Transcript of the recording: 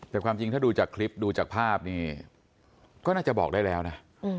แต่ความจริงถ้าดูจากคลิปดูจากภาพนี่ก็น่าจะบอกได้แล้วนะ